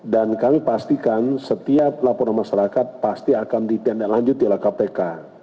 dan kami pastikan setiap laporan masyarakat pasti akan ditandat lanjut di kpk